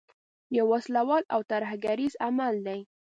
یو وسله وال او ترهګریز عمل دی.